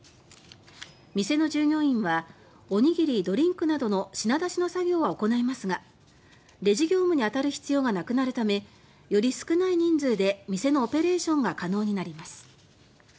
店の従業員はおにぎり、ドリンクなどの品出しの作業は行いますがレジ業務にあたる必要がなくなるためより少ない人数で店のオペレーションが可能になります。